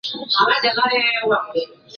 谢谢你们让我们办了自己的音乐祭！